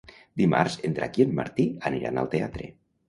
Dimarts en Drac i en Martí aniran al teatre.